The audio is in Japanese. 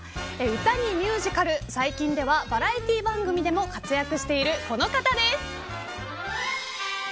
歌にミュージカル最近ではバラエティー番組でも活躍しているこの方です。